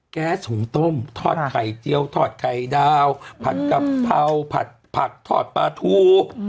แก๊สหุงต้มทอดไข่เจียวทอดไข่ดาวผัดกะเพราผัดผักทอดปลาทู